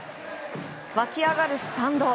湧き上がるスタンド。